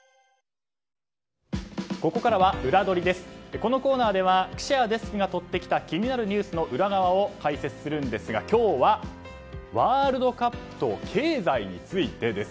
このコーナーは記者やデスクがとってきた気になるニュースの裏側を解説するんですが今日は、ワールドカップと経済についてです。